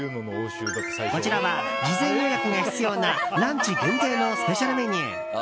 こちらは事前予約が必要なランチ限定のスペシャルメニュー。